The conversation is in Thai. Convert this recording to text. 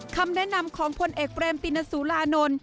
คำแนะนำของพลเอกเบรมตินสุรานนท์